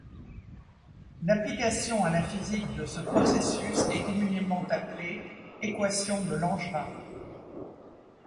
L'application à la Physique de ce processus est communément appelée équation de Langevin.